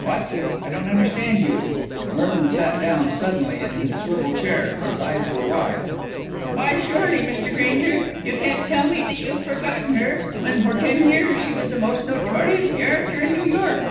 "What? I don't understand you." Merlin sat down suddenly in his swivel chair; his eyes were wide. "Why, surely, Mr. Grainger, you can't tell me that you've forgotten her, when for ten years she was the most notorious character in New York.